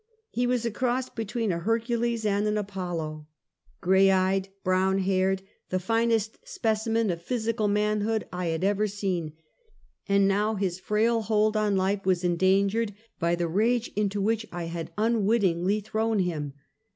He was a cross between a Hercules and Apollo — IT 258 Half a Century. grey eyed, brown haired, the finest specimen of phys ical manhood I have ever seen, and now his frail hold on life was endangered by the rage into which I had unwittingly thrown him.